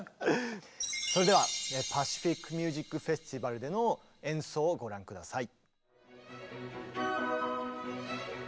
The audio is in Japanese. それではパシフィック・ミュージック・フェスティバルでの演奏をご覧下さい。